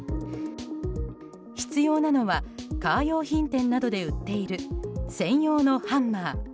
必要なのはカー用品店などで売っている専用のハンマー。